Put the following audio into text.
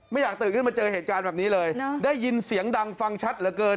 อยากตื่นขึ้นมาเจอเหตุการณ์แบบนี้เลยได้ยินเสียงดังฟังชัดเหลือเกิน